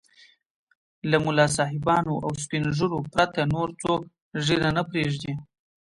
له ملا صاحبانو او سپين ږيرو پرته نور څوک ږيره نه پرېږدي.